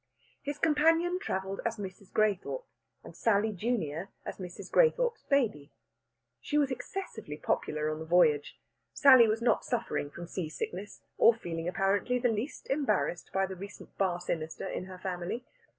His companion travelled as Mrs. Graythorpe, and Sally junior as Mrs. Graythorpe's baby. She was excessively popular on the voyage; Sally was not suffering from sea sickness, or feeling apparently the least embarrassed by the recent bar sinister in her family.